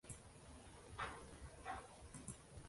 Yo yeldirim hur yellarning yetovida